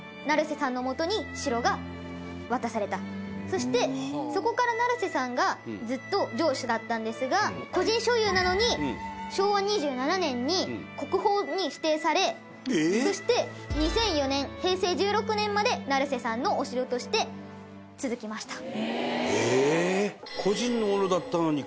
そして、そこから成瀬さんがずっと城主だったんですが個人所有なのに昭和２７年に国宝に指定されそして２００４年、平成１６年まで成瀬さんのお城として続きました。